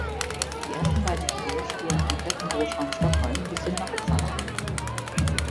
Die ersten beiden Videos spielen komplett im Großraum Stockholm bis hin nach Uppsala.